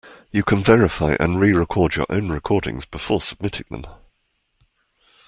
You can verify and re-record your own recordings before submitting them.